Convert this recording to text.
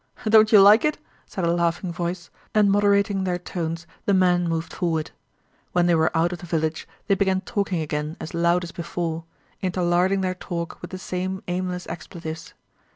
"Don't you like it?" said a laughing voice, and moderating their tones the men moved forward. When they were out of the village they began talking again as loud as before, interlarding their talk with the same aimless expletives.